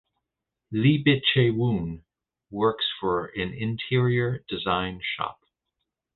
Lee Bit Chae Woon works for an interior design shop.